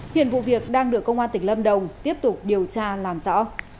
hiện vụ việc đang được công an tỉnh lâm đồng tiếp tục điều tra làm rõ